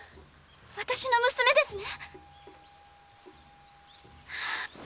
私の娘ですね？